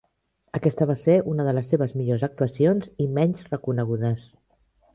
Aquesta va ser una de les seves millors actuacions i menys reconegudes.